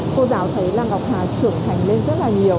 cô giáo thấy là ngọc hà trưởng thành lên rất là nhiều